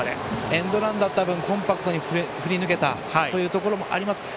エンドランだった分コンパクトに振りぬけた部分もあります。